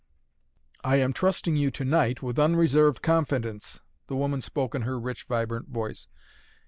"I am trusting you to night with unreserved confidence," the woman spoke in her rich, vibrant voice.